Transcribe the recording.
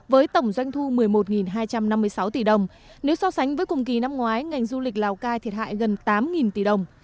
với tổng doanh thu một mươi một hai trăm năm mươi sáu tỷ đồng nếu so sánh với cùng kỳ năm ngoái ngành du lịch lào cai thiệt hại gần tám tỷ đồng